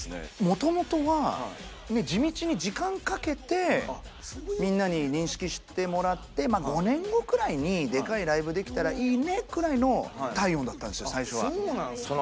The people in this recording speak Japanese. もともとはねっ地道に時間かけてみんなに認識してもらって５年後くらいにでかいライブできたらいいねくらいの体温だったんですよ